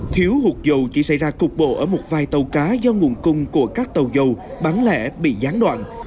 thiếu hụt dầu chỉ xảy ra cục bộ ở một vài tàu cá do nguồn cung của các tàu dầu bán lẻ bị gián đoạn